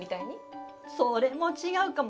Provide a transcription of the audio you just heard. それも違うかも。